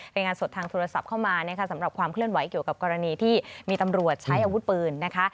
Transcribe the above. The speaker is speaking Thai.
รายงานสดทางโทรศัพท์เข้ามานะคะสำหรับความเคลื่อนไหวเกี่ยวกับกรณีที่มีตำรวจใช้อาวุธปืนนะคะ